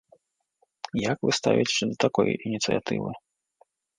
Як вы ставіцеся да такой ініцыятывы?